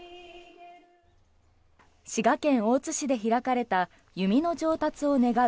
滋賀県大津市で開かれた弓の上達を願う